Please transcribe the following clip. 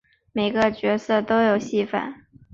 每个角色都有戏份